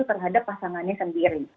terhadap pasangannya sendiri